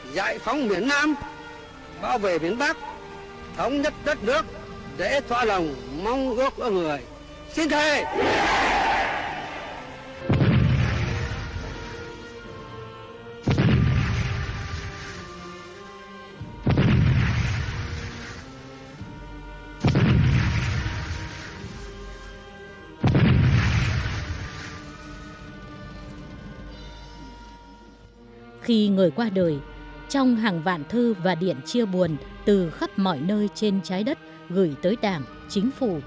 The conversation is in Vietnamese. giải phóng miền nam bảo vệ miền bắc thống nhất đất nước để thỏa lòng mong ước của người